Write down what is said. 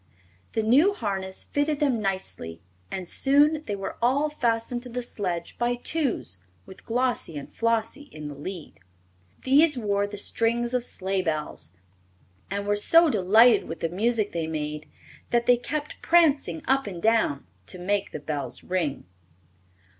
The new harness fitted them nicely and soon they were all fastened to the sledge by twos, with Glossie and Flossie in the lead. These wore the strings of sleigh bells, and were so delighted with the music they made that they kept prancing up and down to make the bells ring.